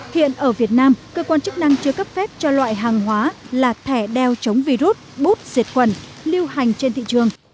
hiện ở việt nam cơ quan chức năng chưa cấp phép cho loại hàng hóa là thẻ đeo chống virus bút diệt quần lưu hành trên thị trường